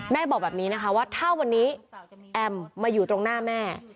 บอกแบบนี้นะคะว่าถ้าวันนี้แอมมาอยู่ตรงหน้าแม่